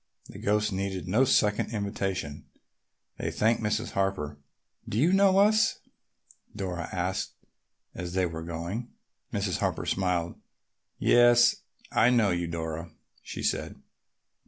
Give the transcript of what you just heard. The ghosts needed no second invitation. They thanked Mrs. Harper. "Do you know us?" Dora asked as they were going. Mrs. Harper smiled. "Yes, I know you, Dora," she said.